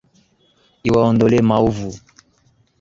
Iwaondolee maovu.